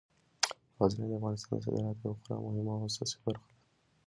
غزني د افغانستان د صادراتو یوه خورا مهمه او اساسي برخه ده.